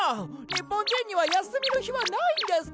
日本人には休みの日はないんですか！？